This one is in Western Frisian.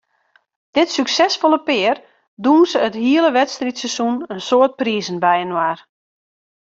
Dit suksesfolle pear dûnse it hiele wedstriidseizoen in soad prizen byinoar.